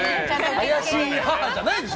怪しい母じゃないでしょ！